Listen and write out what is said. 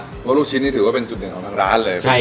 เพราะลูกชิ้นนี่ถือว่าเป็นจุดเด่นของทางร้านเลย